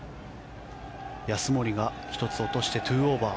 安森が１つ落として２オーバー。